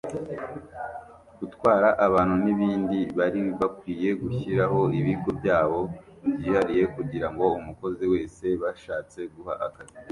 gutwara abantu n’ibindi bari bakwiye gushyiraho ibigo byabo byihariye kugira ngo umukozi wese bashatse guha akazi